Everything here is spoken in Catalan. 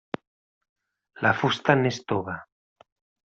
La fusta n'és tova.